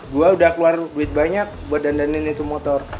gue udah keluar duit banyak buat dandanin itu motor